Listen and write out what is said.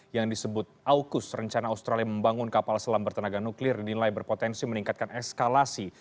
yang disebut aukus rencana australia membangun kapal selam bertenaga nuklir dinilai berpotensi meningkatkan eskalasi